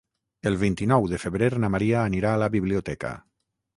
El vint-i-nou de febrer na Maria anirà a la biblioteca.